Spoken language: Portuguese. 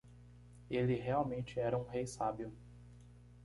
Ele realmente era um rei sábio.